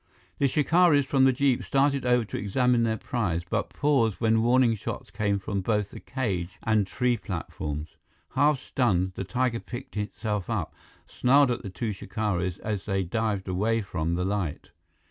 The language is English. The shikaris from the jeep started over to examine their prize, but paused when warning shouts came from both the cage and the tree platforms. Half stunned, the tiger picked itself up, snarled at the two shikaris as they dived away from the light.